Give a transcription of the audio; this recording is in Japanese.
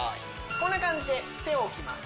こんな感じで手を置きます